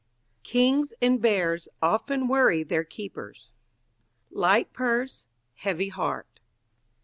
Kings and bears often worry their keepers. Light purse, heavy heart.